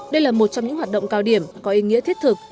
đây là một trong những hoạt động cao điểm có ý nghĩa thiết thực